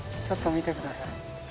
ちょっと見てください。